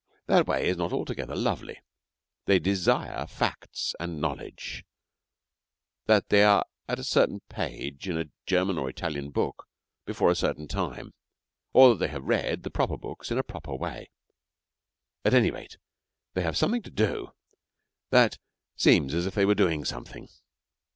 That way is not altogether lovely. They desire facts and the knowledge that they are at a certain page in a German or an Italian book before a certain time, or that they have read the proper books in a proper way. At any rate, they have something to do that seems as if they were doing something.